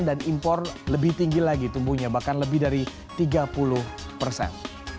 dan impor lebih tinggi lagi tumbuhnya bahkan lebih dari tiga puluh persen